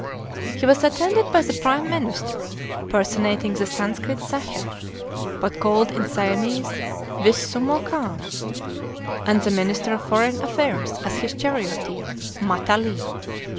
He was attended by the Prime Minister, personating the Sanskrit Saché, but called in Siamese "Vis Summo Kâm," and the Minister of Foreign Affairs as his charioteer, Ma Talee.